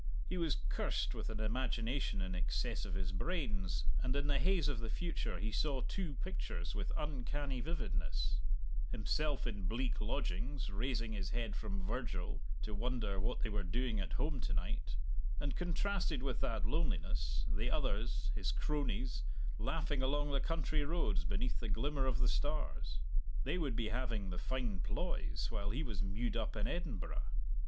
He was cursed with an imagination in excess of his brains, and in the haze of the future he saw two pictures with uncanny vividness himself in bleak lodgings raising his head from Virgil, to wonder what they were doing at home to night; and, contrasted with that loneliness, the others, his cronies, laughing along the country roads beneath the glimmer of the stars. They would be having the fine ploys while he was mewed up in Edinburgh.